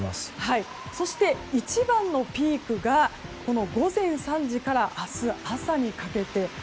そして、一番のピークが午前３時から明日朝にかけて。